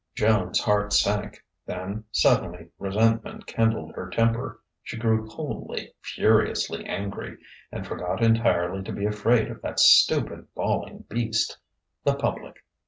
Joan's heart sank; then, suddenly, resentment kindled her temper; she grew coldly, furiously angry, and forgot entirely to be afraid of that stupid, bawling beast, the public.